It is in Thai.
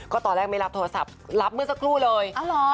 ก็ตอนแรกไม่รับโทรศัพท์รับเมื่อสักครู่เลย